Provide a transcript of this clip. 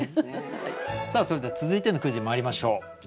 さあそれでは続いてのクイズにまいりましょう。